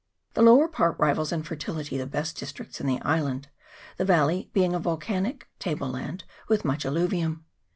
The lower part rivals in fertility the best dis tricts in the island, the valley being a vocanic table land with much alluvium.